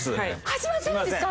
始まってるんですか？